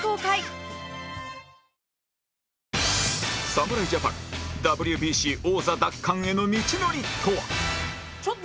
侍ジャパン ＷＢＣ 王座奪還への道のりとは？